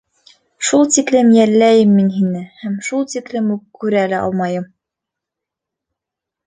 Шул тиклем йәлләйем мин һине, һәм шул тиклем үк күрә лә алмайым!